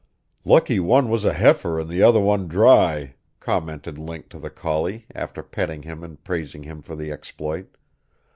"Lucky one was a heifer an' the other one dry!" commented Link to the collie, after petting him and praising him for the exploit.